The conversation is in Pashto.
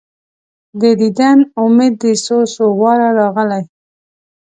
د دیدن امید دي څو، څو واره راغلی